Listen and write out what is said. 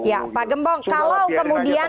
ya pak gembong kalau kemudian